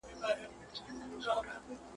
چرگه مي ناجوړه کې، پلمه مي ورته جوره کې.